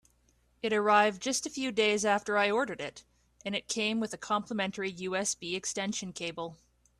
It arrived just a few days after I ordered it, and came with a complementary USB extension cable.